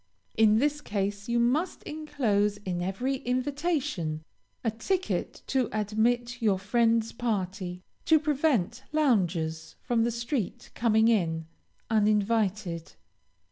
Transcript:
In this case you must enclose in every invitation a ticket to admit your friend's party, to prevent loungers from the street coming in, uninvited.